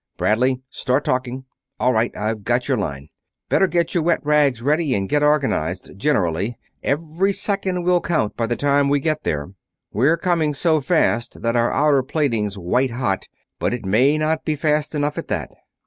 "Bradley, start talking ... all right, I've got your line. Better get your wet rags ready and get organized generally every second will count by the time we get there. We're coming so fast that our outer plating's white hot, but it may not be fast enough, at that."